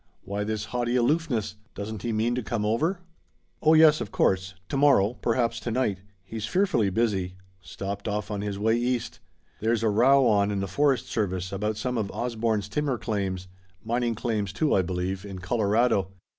Why this haughty aloofness? Doesn't he mean to come over?" "Oh yes, of course; to morrow perhaps to night. He's fearfully busy stopped off on his way East. There's a row on in the forest service about some of Osborne's timber claims mining claims, too, I believe in Colorado.